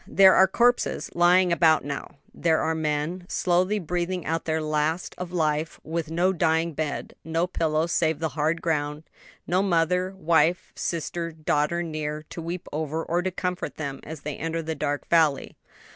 There are corpses lying about now; there are men, slowly breathing out their last of life, with no dying bed, no pillow save the hard ground, no mother, wife, sister, daughter near, to weep over, or to comfort them as they enter the dark valley.